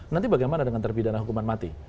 nanti bagaimana dengan terpidana hukuman mati